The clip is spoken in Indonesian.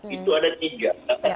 itu ada tiga